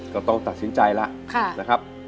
ก็ต้องตัดสินใจแล้วนะครับ